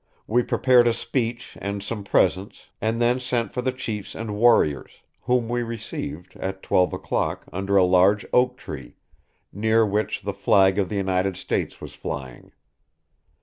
We prepared a speech and some presents, and then sent for the chiefs and warriors, whom we received, at twelve o'clock, under a large oak tree, near which the flag of the United States was flying.